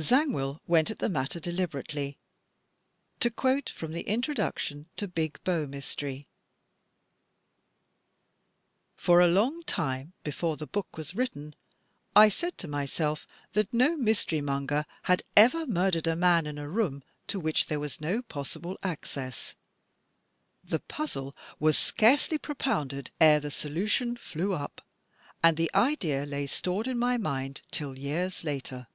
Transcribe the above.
Zangwill went at the matter deliberately. To quote from the introduction to "Big Bow Mystery": For a long time before the book was written I said to iiki. 2l8 THE TECHNIQUE OF THE MYSTERY STORY myself that no mystery monger had ever murdered a man in a room to which there was no possible access. The puzzle was scarcely propounded ere the solution flew up and the idea lay stored in my mind till years later."